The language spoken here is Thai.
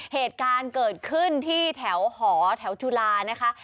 เหตุการณ์เกิดขึ้นที่แถวหอแถวจุฬานะคะ